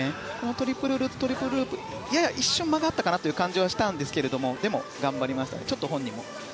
トリプルルッツ、トリプルループやや一瞬、間があったかなという感じはしたんですがでも、頑張りました。